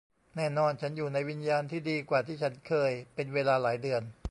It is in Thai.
แน่นอนฉันอยู่ในวิญญาณที่ดีกว่าที่ฉันเคยเป็นเวลาหลายเดือน